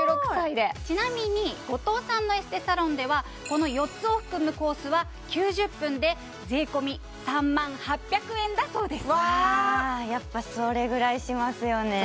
ちなみに後藤さんのエステサロンではこの４つを含むコースは９０分で税込３万８００円だそうですわやっぱそれぐらいしますよね